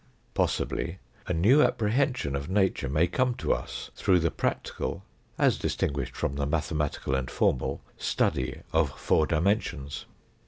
Possibly a new apprehension of nature may come to us through the practical, as distinguished from the mathe matical and formal, study of four dimensions.